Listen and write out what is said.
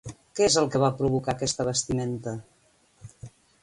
Què és el que va provocar aquesta vestimenta?